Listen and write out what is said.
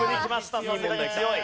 さすが強い。